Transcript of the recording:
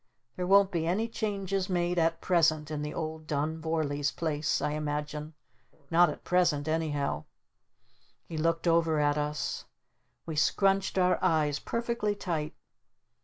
"There won't be any changes made at present in the old Dun Vorlees place I imagine. Not at present anyhow." He looked over at us. We scrunched our eyes perfectly tight.